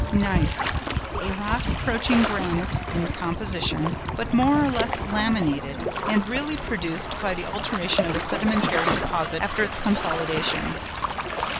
GNEISS.—A rock approaching granite in composition, but more or less laminated, and really produced by the alteration of a sedimentary deposit after its consolidation.